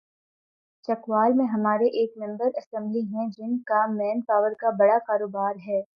چکوال میں ہمارے ایک ممبر اسمبلی ہیں‘ جن کا مین پاور کا بڑا کاروبار ہے۔